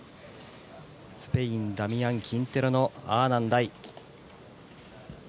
スペイン、ダミアン・キンテロのアーナンダイ。